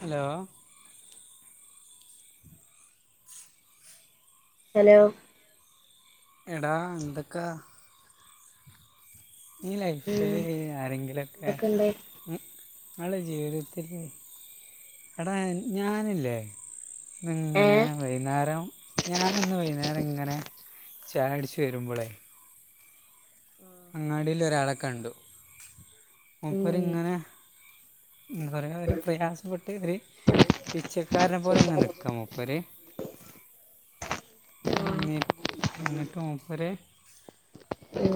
Hello ! ! Hello എടാന്തക്ക? ഈ ലൈഫില് ആരെങ്കിലും ഒക്കെ എന്തൊക്കെയുണ്ട്? ങ്ങളെ ജീവിതത്തിൽ എടാ ഞാന്ല്ലേ? ഏ അങ്ങനെ വൈകുന്നേരം? ഞാന്ന്ന് വൈകുന്നേരം ഇങ്ങനെ ചാ യടിച്ച് വരുമ്പോളേ ഉം അങ്ങാടിൽ ഒരാളെ കണ്ടു മൂ ഉം പ്പരിങ്ങനെ എന്താ, പറയുക ഒരു പ്രയാസപ്പെട്ട് ഒരു പിച്ചക്കാരനെ പോലെ ഇങ്ങനെ നിക്കാ മൂപ്പര് [unintelligible] ന്നട്ട് മൂപ്പരെ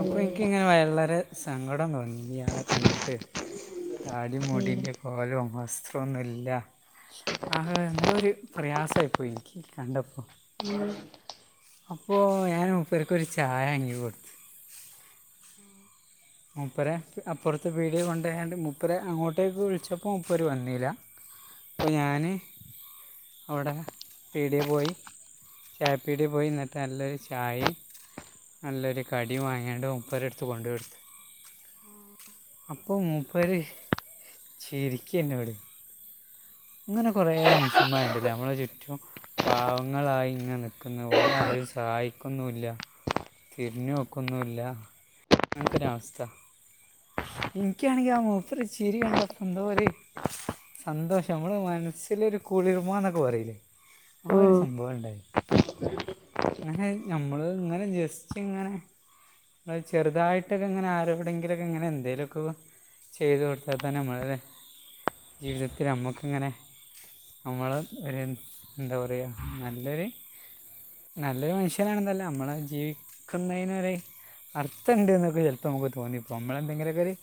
അപ്പൊ എനിക്കിങ്ങനെ വളരെ സങ്കടം തോന്നി അയാളെ കണ്ടിട്ട് താടിമൂടിന്റെ കോലവും വസ്ത്രന്നുല്ല. ആകെ, എന്തോ ഒരു പ്രയാസയി പോയി എനിക്ക് കണ്ടപ്പോ. ഉം അപ്പോൾ ഞാൻ മൂപ്പർക്ക് ഒരു ചായങ്ങി കൊടുത്തു. മുപ്പരെ അപ്പുറത്ത് പീഡിയ കൊണ്ടയ്ക്കണ്ട്, മുപ്പരെ അങ്ങോട്ടേക്ക് വിളിച്ചപ്പോൾ മുപ്പര് വന്നീല അപ്പോ, ഞാന് അവിടെ പീടിയ പോയി ചായപ്പീടി പോയി എന്നിട്ട് നല്ലൊരു ചായും നല്ലൊരു കടിയും വാങ്ങിയണ്ട് മൂപ്പരെ എടുത്ത് കൊണ്ട് കൊടുത്തു. ആഹ്. ഇപ്പൊ മൂപ്പര് ശരിക്കെന്നെ വിടും അങ്ങനെ കുറേ മനുഷ്യന്മാരുണ്ടല്ലേ നമ്മടെ ചുറ്റും പാവങ്ങളായി ഇങ്ങനെ [unintelligible] നിക്കുന്ന പോലെ ആരും സഹായിക്കൊന്നുവില്ല തിരിഞ്ഞ് നോക്കുന്നുവില്ല അങ്ങനത്തെ ഒരവസ്ഥ എനിക്കാണെങ്കി ആ മൂപ്പരെ ചിരി കണ്ടപ്പോ എന്തോര് സന്തോഷം നമ്മടെ മനസ്സിലൊരു കുളിർമാന്നൊക്കെ പറയില്ലേ ആ ഒരു സംഭവം ഇണ്ടായി അങ്ങനെ നമ്മള് ഇങ്ങനെ ജസ്റ്റ് ഇങ്ങനെ ഒരു ചെറുതായിട്ടൊക്കെങ്ങനെ ആരോടെങ്കിലും ഇങ്ങനെ എന്തേലുവൊക്ക ചെയ്ത് കൊടുത്താൽത്തന്നെ നമ്മളല്ലേ ജീവിതത്തിൽ നമ്മുക്കിങ്ങനെ നമ്മള് ഒര് എന്താ പറയുക നല്ലൊരു നല്ലൊരു മനുഷ്യനാണെന്നല്ല നമ്മള് ജീവിക്കുന്നതിന് ഒര് അർത്ഥുണ്ട് എന്നൊക്കെ ചിലപ്പോ നമുക്ക് തോന്നി നമ്മളെന്തെങ്കിലുമൊക്കെ ഒരു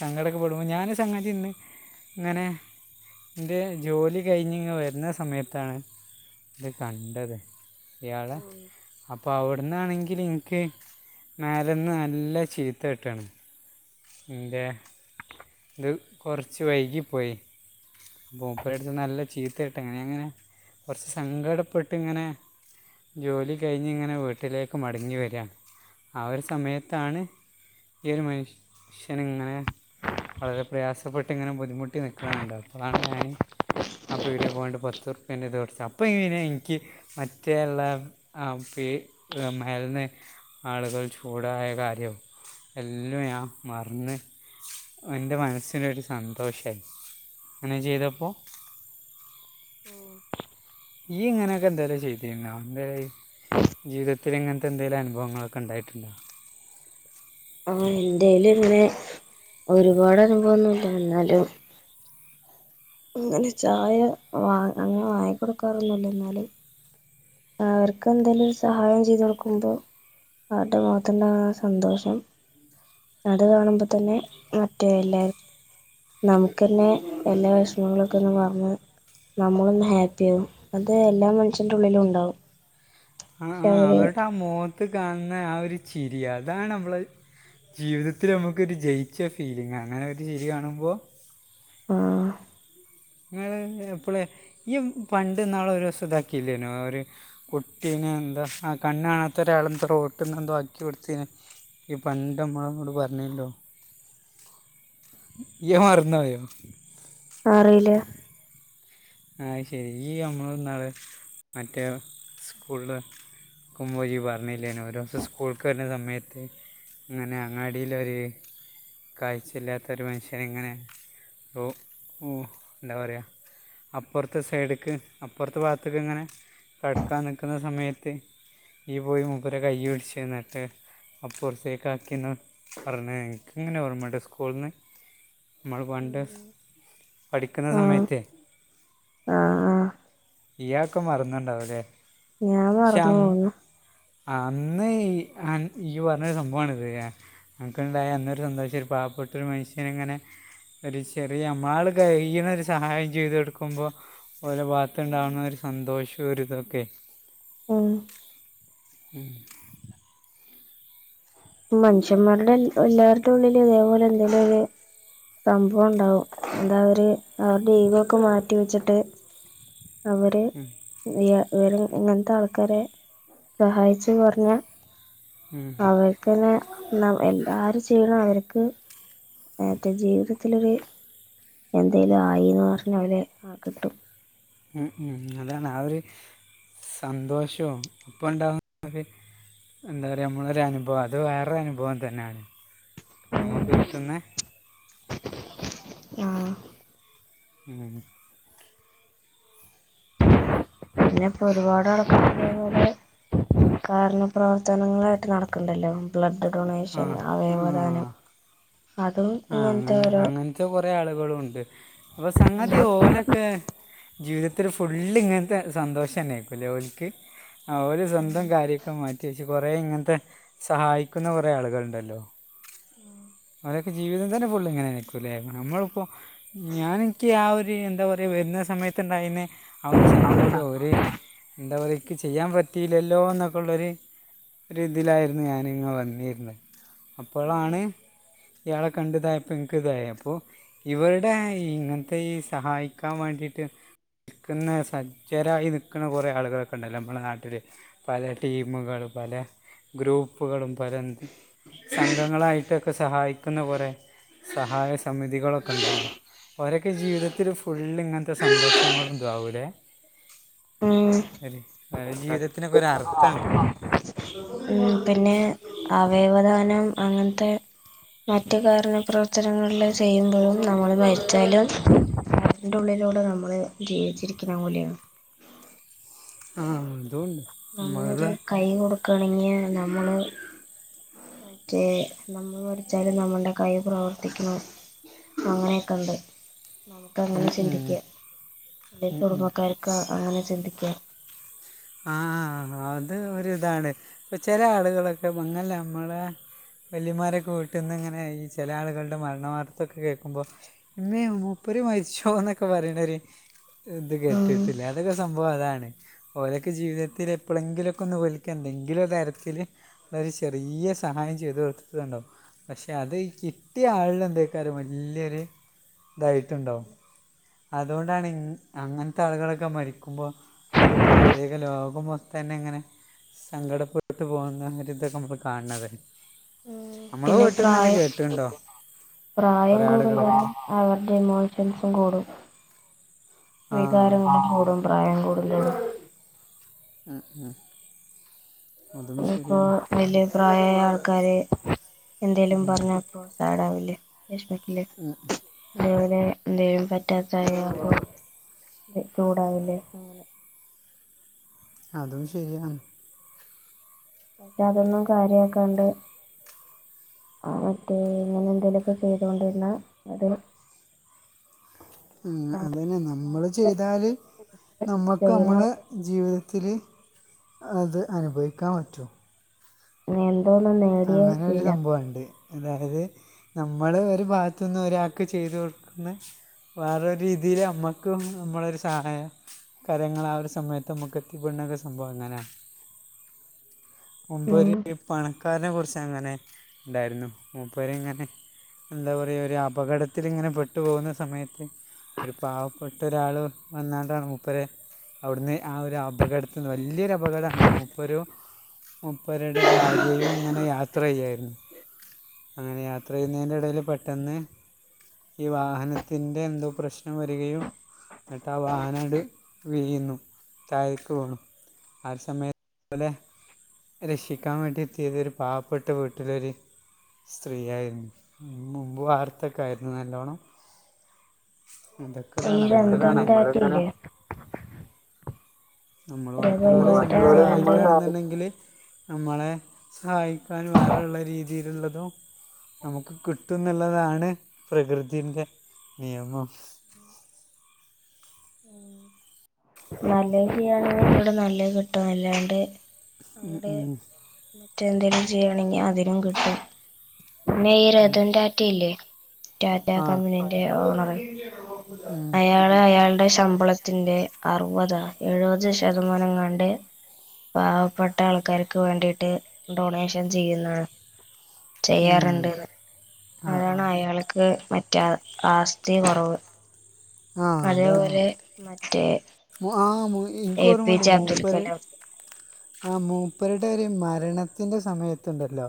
സങ്കടമൊക്കെ പെടുമ്പോൾ ഞാനും സ [unintelligible] ട്ടുണ്ട് ഇങ്ങനെ എന്റെ ജോലി കഴിഞ്ഞിങ്ങ് വരുന്ന സമയത്താണ് ഇത് കണ്ടത് ഇയാള് അപ്പ അവിടന്നാണെങ്കിൽ എനിക്ക് നെരന്ന് നല്ല ചീത്തകിട്ടാണ് ഇന്റെ ഇത് കൊറച്ച് വൈകിപ്പോയി മൂപ്പരടുത്ത് നല്ല ചീത്ത കിട്ട അങ്ങനെ ഇങ്ങനെ കുറച്ച് സങ്കടപ്പെട്ട് ഇങ്ങനെ ജോലി കഴിഞ്ഞ് ഇങ്ങനെ വീട്ടിലേക്ക് മടങ്ങി വരികാണ് ആ ഒരു സമയത്താണ് ഈ ഒരു മനുഷ്യൻ ഇങ്ങനെ വളരെ പ്രയാസപ്പെട്ട് ഇങ്ങനെ ബുദ്ധിമുട്ടി നിക്കണ കണ്ടത് അപ്പളാണ് ഞാന് ആ പീടികെ പോകാണ്ട് പത്ത് റുപ്യേന്റെ [unintelligible] അപ്പൊ [unintelligible] എനിക്ക് മറ്റെയുള്ള അവസ്ഥയിൽ മറന്ന് ആളുകൾ ചൂടായ കാര്യവും എല്ലാം ഞാൻ മറന്ന് എന്റെ മനസ്സിലൊരു സന്തോഷവായി അങ്ങനെ ചെയ്തപ്പോ ഉം ഈ ഇങ്ങനെയൊക്കെ എന്തായാലും ചെയ്തിരുന്നോ എന്തേ ജീവിതത്തിൽ ഇങ്ങനത്തെ എന്തേലും അനുഭവങ്ങളൊക്കെ ഉണ്ടായിട്ടുണ്ടോ ആഹ എൻ്റെ കൈയിൽ ഇങ്ങനെ ഒരുപാട് അനുഭവമൊന്നും ഇല്ല എന്നാലും അങ്ങനെ ചായ വാ അങ്ങനെ വാങ്ങിക്കൊടുക്കാറൊന്നുമില്ല എന്നാലും അവർക്ക് എന്തേലിലും ഒരു സഹായം ചെയ്തു കൊടുക്കുമ്പോ അവരുടെ മുഖത്തിന്റെ ഉണ്ടാകുന്ന ആ സന്തോഷം അത് കാണുമ്പോ തന്നെ മറ്റേ അല്ലേ നമുക്ക് തന്നെ എല്ലാ വിഷമങ്ങളൊക്കെ ഒന്ന് മറന്ന് നമ്മളൊന്ന് ഹാപ്പിയാകും അത് എല്ലാ മനുഷ്യന്റെ ഉള്ളിലും ഉണ്ടാവും ആ പക്ഷെ ആ അവര് അവരുടെ ആ മുഖത്ത് കാണുന്ന ആ ഒരു ചിരി അതാണ് നമ്മള് ജീവിതത്തിൽ നമുക്കൊരു ജയിച്ച ഫീലിംഗ് ആണ് അങ്ങനെ ഒരു ചിരി കാണുമ്പോ ആ ങ്ങ് എപ്പോളേ ഈ പണ്ട് ഇന്നാള് ഒരുസം ഇതാക്കിയില്ലേനോ ഒരു കുട്ടിനെ എന്താ ആ കണ്ണ് കാണാത്ത ഒരാള് എന്താ റോഡിന് എന്തുവാക്കി കൊടുത്തീന് ഈ പണ്ട് നമ്മളന്നോട് പറഞ്ഞല്ലോ ഈ മറന്ന് പോയോ അറിയില്ല ആ ശരി ഈ നമ്മള് ഇന്നാല് മറ്റേ സ്കൂളില് കുമേരി പറഞ്ഞില്ലേ ഒരു ദിവസം സ്കൂൾക്ക് വരുന്ന സമയത്ത് അങ്ങനെ അങ്ങാടിയിലോരു കാഴ്ചയിലാത്ത ഒരു മനുഷ്യൻ ഇങ്ങനെ ഓ ഉ എന്താ പറയുക അപ്പുറത്തെ സൈഡേക്ക് അപ്പുറത്തെ ഭാഗത്തേക്ക് ഇങ്ങനെ കടക്കാൻ നിൽക്കുന്ന സമയത്ത് ഈ പോയി മൂപ്പരെ കൈ പിടിച്ച് എന്നിട്ട് അപ്പുറത്തേക്ക് ആക്കിയെന്ന് പറഞ്ഞെ ൻക് ഇങ്ങനെ ഓർമയുണ്ട സ്കൂളിന്ന് നമ്മള് പണ്ട് പഠിക്കുന്ന സമയത്ത് ആ ആ ഈ അതൊക്കെ മറന്നുണ്ടാവും അല്ലെ ഞാൻ മറന്നു പോകുന്നു അന്ന് നീ ആ ഈ പറഞ്ഞൊരു സംഭവണിത് അനക്കുണ്ടായ അന്നൊരു സന്തോഷം ഒരു പാവപ്പെട്ട ഒരു മനുഷ്യനെ ഇങ്ങനെ ഒരു ചെറിയ നമ്മളാൽ കഴിയണ ഒരു സഹായം ചെയ്ത കൊടു ക്കുമ്പോ ഒരേ ഭാഗത്തു ഉണ്ടാവുന്ന ഒരു സന്തോഷവും ഒരു ഇതൊക്കെ ഉം ഉം മനുഷ്യന്മാരുടെ എല്ലാവരുടെ ഉള്ളിലും ഇതേപോലെ എന്തേലും ഒരു സംഭവം ഉണ്ടാവും അതവര് അതിനൊക്കെ മാറ്റിവെച്ചിട്ട് അവര് ഉം, ഈ ഇവർ ഇങ്ങനത്തെ ആൾക്കാരെ സഹായിച്ചു പറഞ്ഞാ ഉം, അവർക്ക് തന്നെ നാ എല്ലാരും ചെയ്യണം അവർക്ക് മറ്റേ ജീവിതം ത്തിലൊരു എന്തെലും ആയിന്ന് പറഞ്ഞാൽ അവരെ ആ കിട്ടും ഉ ഉം അതാണ് ആ ഒരു സന്തോഷവും അപ്പൊ ഉണ്ടാവുന്നത് എന്താ പറയ നമ്മളൊ ഒരു അനുഭവം അത് വേറൊ അനുഭവം തന്നെയാണ് നമുക്ക് കിട്ടുന്നെ ആഹ് ഉ പിന്നെ ഇപ്പൊ ഒരുപാട് ആൾക്കാർ പോലെ കാരുണ്ണ്യ പ്രവർത്തനങ്ങളായിട്ട് നടക്കണ്ടല്ലോ ബ്ലഡ് ആ ഡൊണേഷൻ അവയവദാനം അതും ഇങ്ങനത്തെ ആഹ ഓരോ അങ്ങനത്തെ കുറെ ആളുകളും ഉണ്ട് അപ്പൊ സംഗതി ഓലൊക്കെ ജീവിതത്തിൽ ഫുള് ഇങ്ങനത്തെ സന്തോഷം ന്നെരിക്കും ഓൽക്ക് അവര് സ്വന്തം കാര്യമൊക്കെ മാറ്റി വെച്ച് കുറെേ ഇങ്ങനത്തെ സഹായിക്കുന്ന കുറെ ആളുകളുണ്ടല്ലോ ഉ അവരൊക്കെ ജീവിതം തന്നെ ഫുള് ഇങ്ങനെ ആയിരിക്കുലെ നമ്മളിപ്പോ ഞാന് എനിക്ക് ആ ഒരു എന്താ പറ വരുന്ന സമയത്തുണ്ടായിരുന്ന ആ ഒരു സങ്കടം ഒരു എന്താ പറ എനിക്ക് ചെയ്യാൻ പറ്റിയില്ലല്ലോ എന്നൊക്കെ ഉള്ളൊരു ഒരു ഇതിലായിരുന്നു ഞാനങ്ങ് വന്നരുന്നെ അപ്പോഴാണ് ഇയാളെ കണ്ട് ഇതായപ്പോ എനിക്ക് ഇതയെ അപ്പോ ഇവിടെ ഇങ്ങനത്തെ ഈ സഹായിക്കാൻ വേണ്ടിട്ട് നിക്കുന്ന സജ്ജര ഇത് ഇക്കുന്ന കുറേ ആളുകളൊക്കെണ്ടല്ലോ മ്മളെ നാട്ടില് പലേ ടീമുകൾ പലേ ഗ്രൂപ്പുകളും പല സംഘങ്ങളായിട്ടൊക്കെ സഹായിക്കുന്ന കൊറെ സഹായ സമിതികളൊക്കെണ്ടല്ലൊ ഓരെക്കെ ജീവിതത്തില് ഫുള്ളിങ്ങൻത്തെ സന്തോഷങ്ങളുണ്ടാകുല്ലേ ഉം ഒര് ഒരെ ജീവിതത്തിനൊക്കെ ഒരു അർത്ഥണ്ട് ഉം പിന്നെ അവയവദാനം അങ്ങനത്തെ മറ്റു കാരുണ്യ പ്രവർത്തനങ്ങളെല്ലാം ചെയ്യുമ്പോഴും നമ്മൾ മരിച്ചാലും അതിന്റെ ഉള്ളിലൂടെ നമ്മള് ജീവിച്ചിരിക്കുന്ന പോലെയാണ് ആഹ് അതും ഉണ്ട് നമ്മളൊരു നമ്മളല്ലേ കൈ കൊടുക്കാണെങ്ങിയെ നമ്മള് മറ്റേ നമ്മള് മരിച്ചാലും നമ്മുടെ കൈ പ്രവർത്തിക്കുന്നു അങ്ങനെയൊക്കെണ്ട് നമുക്ക് അങ്ങനെ ഉം ഉം. ചിന്തിക്കാം എ ഉം ഉം. കുടുംബക്കാർക്ക് അങ്ങനെ ചിന്തിക്ക ആഹ് അത് ഒരു ഇതാണ് ഇപ്പൊ ചെല ആളുകളൊക്കെ മങ്ങല്ല മ്മളേ വല്ലിമാരെക്കെ വീട്ടിന്ന് ഇങ്ങനെ ഈ ചില ആളുകൾടെ മരണ വർത്തൊക്കെ കേൾക്കുമ്പോ ഇമ്മേ മൂപ്പര് മരിച്ചോന്നൊക്കെ പറയണര് ഇത് ഉം കെട്ടിട്ടില്ലേ അതൊക്കെ സംഭവം അതാണ്. ഓരൊക്കെ ജീവിതത്തില് എപ്പോളെങ്കിലൊക്കെഒന്ന് ഓല്ക്ക് എന്തെങ്കിലൊരുതരത്തില് ഒരു ചെറിയ സഹായം ചെയ്തു കൊടുത്തിട്ടുണ്ടാവും. പക്ഷെ അത് കിട്ടിയ ആളുടെ എന്തക്കേലും വല്യരുതായിട്ടുണ്ടാവും. അതോണ്ടാണ് ഇ അങ്ങനത്തെ ആളുകളൊക്കെ മരിക്കുമ്പോൾ ഒരു പ്രത്യേക ലോകം മൊത്തെന്നാ ഇങ്ങനെ സങ്കട പോകുന്നവരി ഇതൊക്കെ നമ്മ കാണണത്. പിന്നെ പ്രായം പ്രായം കുറേ കൂടുമ്പോ ആളുകളൊക്കെ അവരുടെ ഇമോഷൻസും കൂടും ആ വികാരങ്ങളും കൂടും. പ്രായം കൂടുതോറും [unintelligible] ഇനിപ്പോ ശരിയാണ് വല്യ പ്രായയാൾക്കാര് എന്തേലും പറഞ്ഞ സാടാവില്ലേ വെഷ്മിക്കില്ലേ [unintelligible] [unintelligible] [unintelligible] [unintelligible] ചൂടാവില്ലേ അങ്ങനെ അതും ശരിയാണ് ഇനി അതൊന്നും കാര്യക്കാണ്ട്. മറ്റേ ഇങ്ങനെന്തേലൊക്കെ ചെയ്തോണ്ടിരുന്നാൽ അത് ഉം അതുതന്നെ നമ്മൾ ബാക്കിയുള്ളവർക്ക് ചെയ്താല് ഇഷ്ട നമ്മ്ക്ക് ചെയ്യണ നമ്മള് ആൾക്കാർക്ക് ജീവിതത്തില് അത് അനുഭവിക്കാപറ്റു ഇനിന്തോനാന്നേ അങ്ങനെ ഒരു സംഭവാരിക്കേ അതായത് നമ്മള് ഒരു ഭാഗത്തുനിന്ന് ഒരാൾക്ക് ചെയ്ത് കൊടുക്കുന്ന വേറൊരുതിയില് അമ്മക്കുംമ്മളൊരു സഹായ കരങ്ങൾ ആ ഒരു സമയത്ത് മ്മുക്ക് എത്തിപ്പെടുന്നക്കെ സംഭവങ്ങനെ [inaudible] ഉം മുമ്പൊരു പണക്കാരനെ കുറിച്ച് അങ്ങനെ ഉണ്ടായിരുന്നു മൂപ്പര് ഇങ്ങനെ എന്താ പറയാ ഒരു അപകടത്തിലിങ്ങനെ പെട്ടു പോകുന്ന സമയത്ത് ഒരു പാവപ്പെട്ടൊരാള് വന്നാണ്ടാണ് മൂപ്പര് അവിടുന്നെ ആ ഒരു അപകടത്തിന്ന് വല്യയൊരു അപകട മൂപ്പരു മൂപ്പരുടെ ഭാര്യയിങ്ങനെ യാ ത്ര യ്യായിരുന്നു അങ്ങനെ യാത്ര ചെയ്യുന്നതിനിടയിൽ പെട്ടെന്ന് ഈ വാഹനത്തിന്റെ എന്തോ പ്രശ്നം വരികയും എന്നിട്ട് ആ വാഹനങ്ങട് വീ്യുന്നു താഴേക്ക് പോണു ആ സമയത്ത് പോലെ രക്ഷിക്കാ വേണ്ടി ത്തിതൊരു പാവപ്പെട്ട വീട്ടിലൊരു സ്ത്രീയായിരുന്നു മുമ്പ് വാർത്തൊക്കെയായിരുന്നു നല്ലോണ്ണം അതൊക്കെതാ ഈ രംഗം നമ്മളിങ്ങനെ [unintelligible] നമ്മള് രംഗം ബാക്കിയുള്ള താട്ട [unintelligible] അല്ലാണ്ട് സഹായിക്കുകയാണെന്നുണ്ടെങ്കില് നമ്മളെ സഹായിക്കാൻ വേറൊള്ള രീതിയിലുള്ളതും നമുക്ക് കിട്ടുന്നുള്ളതാണ് പ്രകൃതിന്റെ നിയമം [inaudible] നല്ലത് ചെയ്യാണ് ഇങ്ങോട് നല്ലത് കിട്ടും അല്ലാണ്ട് ഉം, വിടെ ഉം. മറ്റെന്തേലും ചെയ്യണെങ്കിൽ അതിനും കിട്ടും പിന്നെ ഈ രതൻ ടാറ്റല്ലേ ടാറ്റ ആ കമ്പനീന്റെ ഓണറ് ഉം, അയാ അയാളുടെ ശമ്പളത്തിന്റെ അറുപതൊ എഴുപത് ശതമാനെങ്ങാണ്ട് പാവപ്പെട്ടാൾക്കാർക്ക് വേണ്ടിയിട്ട് ഡൊണേഷൻ ചെയ്യുന്നാണ് ഉം. ചെയ്യാറുണ്ടന്ന് ആ ആ അതാണ് അയാൾക്ക് മറ്റേ ആസ്തി കുറവ് ആ അതാണ് അതേപോലെ മറ്റേ ആ എ പി ഇൻകോരുമണ്ട് ജെ അബ്ദുൽ മൂപ്പര് കലാം ആ മൂപ്പരുടെ ഒരു മരണത്തിന്റെ സമയത്തുണ്ടല്ലോ.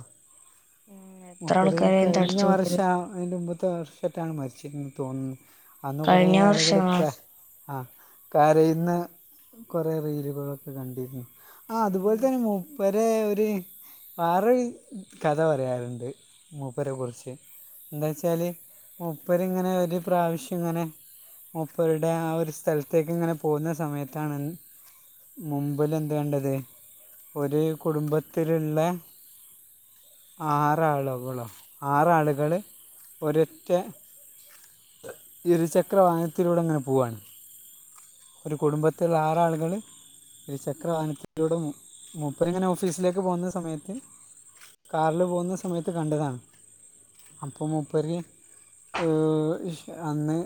ഉം എത്ര മൂപ്പര് ആൾക്കാരെ കഴിഞ്ഞ തടിച്ചു കൂടിയത് വർഷം അതിൻ്റെ മുമ്പത്തെ വർഷട്ടാണ് മരിച്ചിന്ന് തോന്നുന്നു. അന്ന് കൊറ കഴിഞ്ഞ വർഷമാ ആളുകൾക്ക ആ കരയിൽന്ന കുറേ റീയിലുകളുകളൊക്കെ കണ്ടിരുന്നു. ആ അതുപോലെ ഉം തന്നെ മുപ്പര ഒരു വറ കഥ പറയാറുണ്ട്. മൂപ്പരെ കുറിച്ച്. എന്താ വെച്ചാല് മുപ്പരി ഇങ്ങനെ ഒരു പ്രാവശ്യം ഇങ്ങനെ മപ്പരുടെ ആ ഒരു സ്ഥലത്തേക്ക് ഇങ്ങനെ പോകുന്ന സമയത്താണ് മുമ്പിൽ എന്ത് കാണ്ടത് ഒരു കുടുംബത്തിലുള്ള ആ ആറ ആളോകളോ ആറാളുകൾ ഒരറ്റ ഇരുചക്ര വാഹനത്തിലൂടെ അങ്ങനെ പോവാണ്. ഒരു കുടുംബത്തില ആറആളുകള് ഇരുചക്രവാഹനത്തിലൂടെ മു മൂപ്പര ഇങ്ങനെ ഓഫീസിലേക്ക് പോകുന്ന സമയത്ത് കാറില് പോകുന്ന സമയത്ത് കണ്ടതാണ്. അപ്പൊ മൂപ്പരി അന്ന്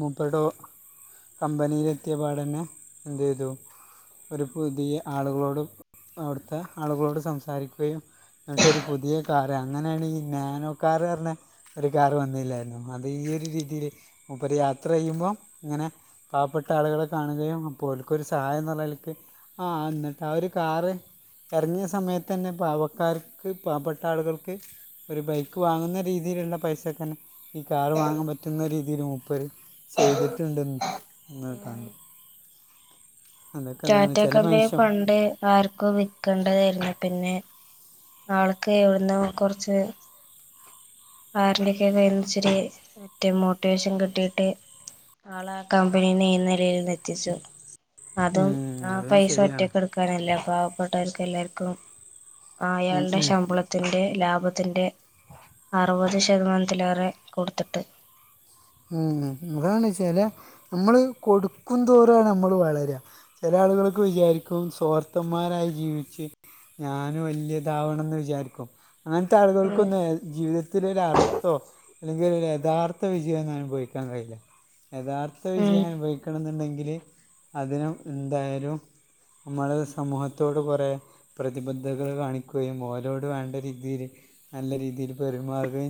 മൂപ്പരുടെ കമ്പനിയിലെത്തിയ പാടന്നെ എന്ത്തു ഒരു പുതിയ ആളുകളോട് അവിടുത്തെ ആളുകളോട് സംസാരിക്കുകയും എന്നിട്ടരു പുതിയ കാര് അങ്ങനെയാണ് ഈ നാനോകാർ വരണേ ഒരു കാർ വന്നില്ലായിരുന്നു അത് ഈ ഒരു രീതിയില് മൂപ്പര് യാത്ര ചെയ്യുമ്പോം ഇങ്ങനെ പാവപ്പെ പട്ട ആളുകളെ കാണുകയും അപ്പോലക്കൊ ഒരു സഹായം എന്ന നിലയ്ക്ക് ആ് എന്നിട്ട് ആ ഒരു കാറ് ഇറങ്ങിയ സമയത്ത് തന്നെ പാവക്കാർക്ക് പാവപ്പെട്ട ആളുകൾക്ക് ഒരു ബൈക്ക് വാങ്ങുന്ന രീതിയിലുള്ള പൈസൊക്കെ തന്നെ ഈ കാർ വാങ്ങാൻ പറ്റുന്ന രീതിൽ മുപ്പര് ചെയ്തിട്ടുണ്ട്. ഉം അങ്ങനെക്കണ്ട്. ടാറ്റ കമ്പനിയ പണ്ടേ ആർക്കോ വിൽക്കേണ്ടതായിരുന്നു പിന്നെ ആൾക്ക് എവിടന്നോ കുറച്ച് ആരുടേയ്ക്കോ കയ്യിൽനിന്ന് ഇച്ചിരി മറ്റേ മോട്ടിവേഷൻ കിട്ടിയിട്ട് ആൾ ആ കമ്പനിനേ ഈ നിലൽന്ന് എത്തിച്ചു അതും ഉം, ആ അതും പൈസ ശരിയാണ് ഒറ്റക്കെടു കാനല്ല പാവപ്പെട്ടവർക്ക് എല്ലാവർക്കും ഉം, അയാളുടെ ഉം. ശമ്പള ത്തിന്റെ ലാഭത്തിന്റെ അറുപത് ശതമാനത്തിലേറെ കൊടുത്തിട്ട് ഉം അതാണ് ചില നമ്മള് കൊടുക്കന്തോരാണ് നമ്മള് വളരുക. ചില ആളുകൾക്ക് വിചാരിക്കും സ്വർത്തന്മാരായി ജീവിച്ച് ഞാന് വലിയതാവണംന്ന് വിചാരിക്കും അങ്ങനത്തെ ഉം ആളുകൾക്കൊന്ന ജീവിതത്തില് ഒരു അർത്ഥോ അല്ലെങ്കിൽ യഥാർത്ഥ വിജയം ഒന്നും അനുഭവിക്കാൻ കയില്ല യഥാർത്ഥ ഉം വിജയ അനുഭ ക്കണം എന്നുണ്ടെങ്കിൽ അതിനും എന്തായാലും നമ്മൾ സമൂഹത്തോട് കുറേ പ്രതിബദ്ധകൾ കാണിക്കുകയും ഓലോട് വേണ്ട രീതിയിൽ നല്ല രീതിയിൽ പെരുമാറുകയും